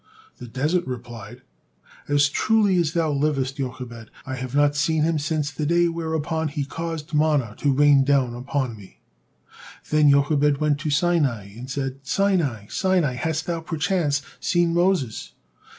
The desert replied, "As truly as thou livest, Jochebed, I have not seen him since the day whereupon he caused manna to rain down upon me." Then Jochebed went to Sinai, and said, "Sinai, Sinai, hast thou perchance seen Moses?"